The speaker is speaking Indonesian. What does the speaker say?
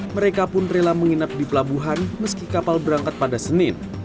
mereka pun rela menginap di pelabuhan meski kapal berangkat pada senin